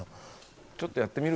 ちょっとやってみる？